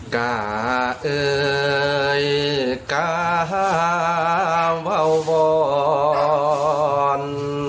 กาเอ่ยกาเผ่าบอก